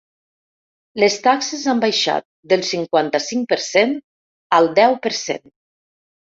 Les taxes han baixat del cinquanta-cinc per cent al deu per cent.